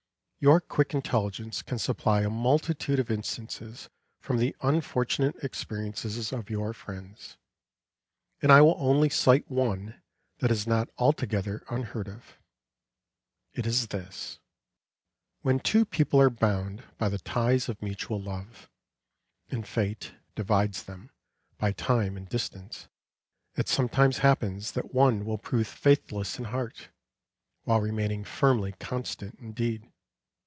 Your quick intelligence can supply a multitude of instances from the unfortunate experiences of your friends, and I will only cite one that is not altogether unheard of. It is this; when two people are bound by the ties of mutual love, and fate divides them by time and distance, it sometimes happens that one will prove faithless in heart, while remaining firmly constant in deed.